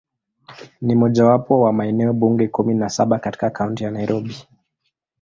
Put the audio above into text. Ni mojawapo wa maeneo bunge kumi na saba katika Kaunti ya Nairobi.